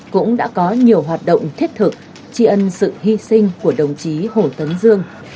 cũng đã có nhiều hoạt động thiết thực tri ân sự hy sinh của đồng chí hồ tấn dương